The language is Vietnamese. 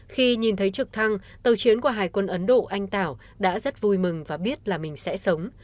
khi nhìn thấy trực thăng tàu chiến của hải quân ấn độ anh tảo đã rất vui mừng và biết là mình sẽ sống